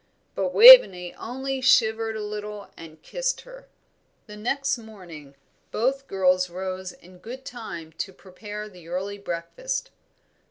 But Waveney only shivered a little and kissed her. The next morning both the girls rose in good time to prepare the early breakfast.